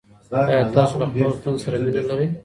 آیا تاسو له خپل وطن سره مینه لرئ؟